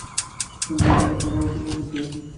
স্বামীর প্রতিভা তাহার অর্থাভাবে ব্যর্থ হইতে বসিয়াছে।